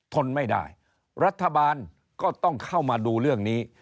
ทนไม่ได้รัฐบาลก็ต้องเข้ามาดูเรื่องนี้